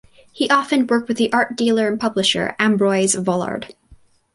He often worked with the art dealer and publisher Ambroise Vollard.